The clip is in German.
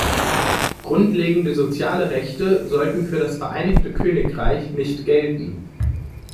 Grundlegende soziale Rechte sollten für das Vereinigte Königreich nicht gelten.